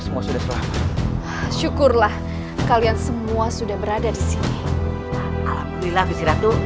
semua sudah selesai syukurlah kalian semua sudah berada di sini alhamdulillah visiratul